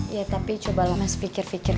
iya tapi cobalah mas pikir pikir